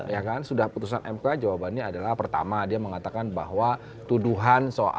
ya kan sudah putusan mk jawabannya adalah pertama dia mengatakan bahwa tuduhan soal